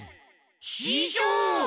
ししょう！